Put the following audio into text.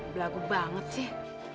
belagu banget sih